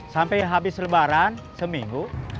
sampai habis lebaran seminggu